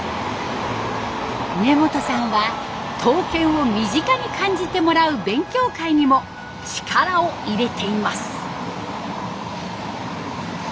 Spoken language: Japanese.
根本さんは刀剣を身近に感じてもらう勉強会にも力を入れています。